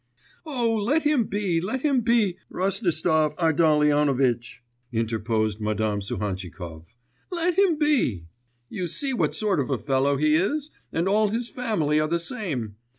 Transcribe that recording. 'Oh, let him be, let him be, Rostislav Ardalionovitch,' interposed Madame Suhantchikov, 'let him be! You see what sort of a fellow he is; and all his family are the same.